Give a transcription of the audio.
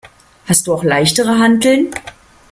Hast du auch leichtere Hanteln?